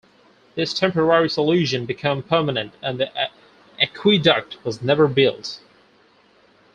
This temporary solution become permanent, and the aqueduct was never built.